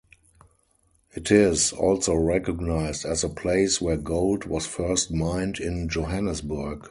It is also recognized as the place where gold was first mined in Johannesburg.